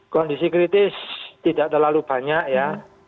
kondisi kritis tidak terlalu banyak ya